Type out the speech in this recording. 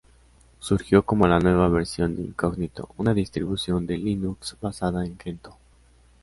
Surgió como la nueva versión de Incognito, una distribución de Linux basada en Gentoo.